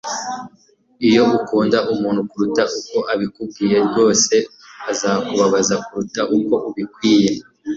iyo ukunda umuntu kuruta uko abikwiriye, rwose azakubabaza kuruta uko ubikwiriye